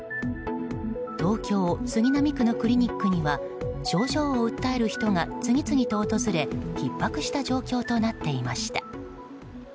東京・杉並区のクリニックには症状を訴える人が次々と訪れ、ひっ迫した状況となっていました。